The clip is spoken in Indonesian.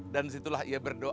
dan disitulah ia berdoa